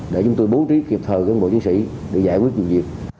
để giúp tôi bố trí kịp thời với bộ chính sĩ để giải quyết dụ dịch